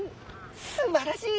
すばらしい！